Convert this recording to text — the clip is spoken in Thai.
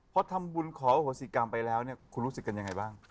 พอทำบุญขอโหสิกรรมไปแล้วเนี่ยคุณรู้สึกกันยังไงบ้าง